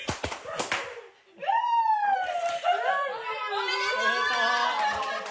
おめでとう！